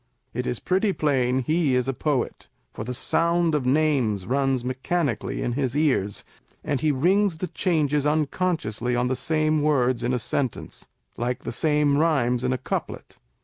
It is pretty plain he is a poet ; for the sound of names runs mechanically in his ears, and he rings the changes unconsciously on the same words in a sentence, like the samo rhymes in a couplet.